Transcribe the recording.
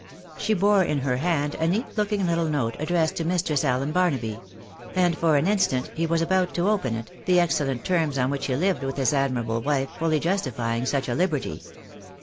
She bore in her hand a neat looking little note, addressed to Mistress Allen Barnaby ; and for an instant he was about to open it, the excellent terms oa which he hved with his admirable wife fully justifying such a liberty.